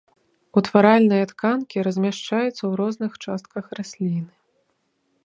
Утваральныя тканкі размяшчаюцца ў розных частках расліны.